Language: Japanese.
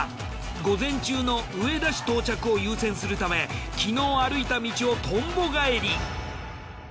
午前中の上田市到着を優先するため昨日歩いた道をとんぼ返り。